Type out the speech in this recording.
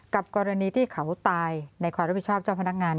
กรณีที่เขาตายในความรับผิดชอบเจ้าพนักงาน